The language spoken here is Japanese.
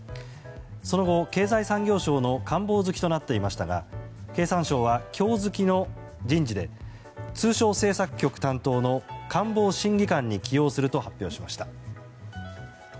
その後、経済産業省の官房付となっていましたが経産省は、今日付の人事で通商政策局担当の官房審議官に起用すると発表しました。